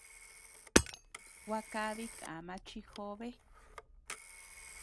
Gua kadi kama chi jobe.